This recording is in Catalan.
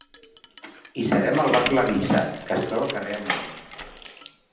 I serem al Bar Larissa, que es troba carrer amunt.